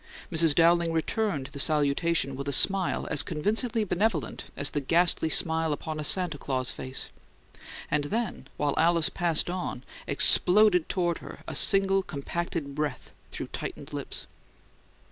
Mrs. Dowling returned the salutation with a smile as convincingly benevolent as the ghastly smile upon a Santa Claus face; and then, while Alice passed on, exploded toward her a single compacted breath through tightened lips.